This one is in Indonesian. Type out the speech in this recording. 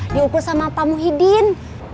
diukur sama pak muhyiddin